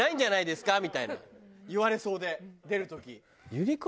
みたいな言われそうで出る時。